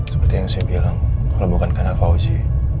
seperti yang saya bilang kalau bukan karena fauzi